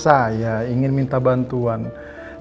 saya ingin minta bantuan dari pak amar